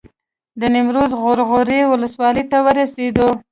د نیمروز غور غوري ولسوالۍ ته ورسېدو.